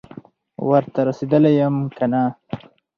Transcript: ورته رسېدلی یم که نه،